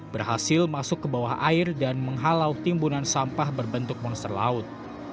berhasil masuk ke bawah air dan menghalau timbunan sampah berbentuk monster laut